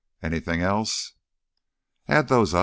"Anything else?" "Add those up.